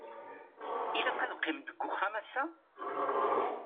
Ilaq ad qqiment g uxxam ass-a?